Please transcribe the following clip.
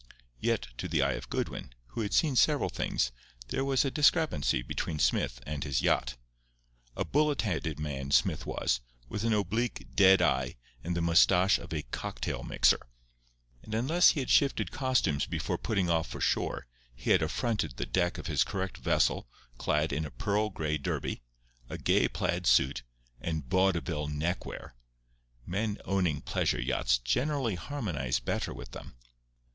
Yet to the eye of Goodwin, who had seen several things, there was a discrepancy between Smith and his yacht. A bullet headed man Smith was, with an oblique, dead eye and the moustache of a cocktail mixer. And unless he had shifted costumes before putting off for shore he had affronted the deck of his correct vessel clad in a pearl gray derby, a gay plaid suit and vaudeville neckwear. Men owning pleasure yachts generally harmonize better with them.